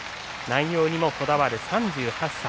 内容にもこだわる、３８歳。